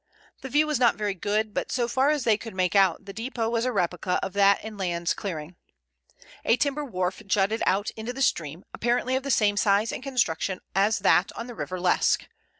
The view was not very good, but so far as they could make out, the depot was a replica of that in the Landes clearing. A timber wharf jutted out into the stream, apparently of the same size and construction as that on the River Lesque.